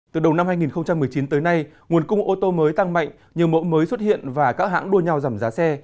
từ đầu năm hai nghìn một mươi chín tới nay nguồn cung ô tô mới tăng mạnh nhiều mẫu mới xuất hiện và các hãng đua nhau giảm giá xe